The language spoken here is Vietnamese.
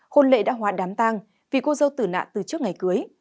hôn lệ đã hoạt đám tang vì cô dâu tử nạn từ trước ngày cưới